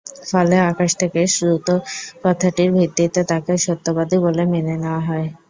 ফলে আকাশ থেকে শ্রুত কথাটির ভিত্তিতে তাকে সত্যবাদী বলে মেনে নেওয়া হয়।